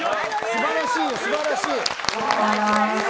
素晴らしいよ、素晴らしい。